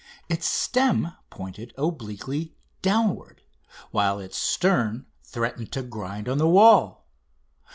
Its stem pointed obliquely downward, while its stern threatened to grind on the wall.